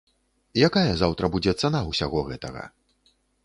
Якая заўтра будзе цана ўсяго гэтага?